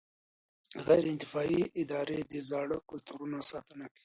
غیر انتفاعي ادارې د زاړه کلتورونو ساتنه کوي.